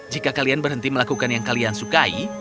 jika kalian berhenti melakukan yang kalian sukai